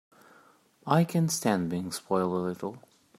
I can stand being spoiled a little.